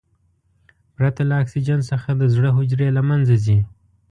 پرته له اکسیجن څخه د زړه حجرې له منځه ځي.